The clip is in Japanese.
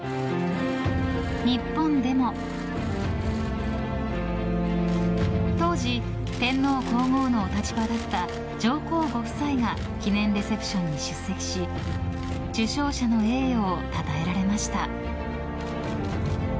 日本でも当時、天皇・皇后のお立場だった上皇ご夫妻が記念レセプションに出席し受賞者の栄誉をたたえられました。